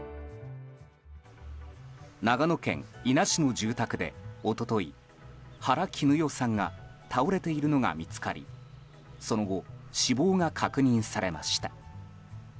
長野県伊那市の住宅で一昨日原貴努代さんが倒れているのが見つかりその後、死亡が確認されました。